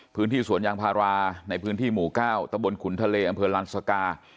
พื้นที่สวนยางพาราในพื้นที่หมู่๙ตะบนขุนทะเลอำเภอลานสกา